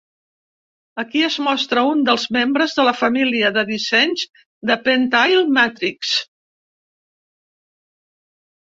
Aquí es mostra un dels membres de la família de dissenys de PenTile Matrix.